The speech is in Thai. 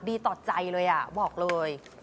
ดีต่อใจเลยบอกเลย